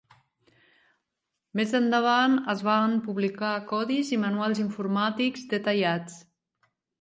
Més endavant es van publicar codis i manuals informàtics detallats.